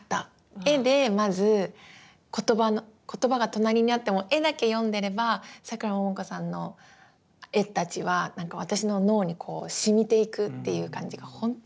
絵でまず言葉が隣にあっても絵だけ読んでればさくらももこさんの絵たちはなんか私の脳にこう染みていくっていう感じがほんとに。